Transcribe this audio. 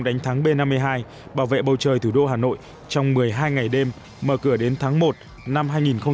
đánh thắng b năm mươi hai bảo vệ bầu trời thủ đô hà nội trong một mươi hai ngày đêm mở cửa đến tháng một năm